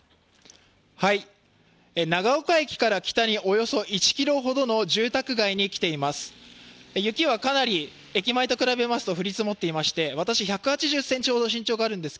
長岡駅から北におよそ１ｋｍほどの住宅街に来ています。